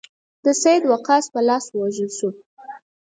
د سعد وقاص په لاس ووژل شو.